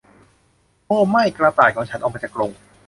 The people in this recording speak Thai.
โอ้ไม่กระต่ายของฉันออกมาจากกรง !